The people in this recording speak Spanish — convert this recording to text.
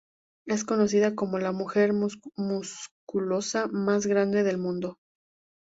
Es conocida como la ""mujer musculosa más grande del mundo"".